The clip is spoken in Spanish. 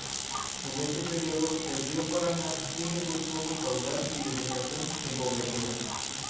En este período el Río Paraná tenía muy poco caudal y vegetación empobrecida.